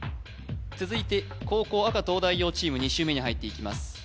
続いて後攻赤東大王チーム２周目に入っていきます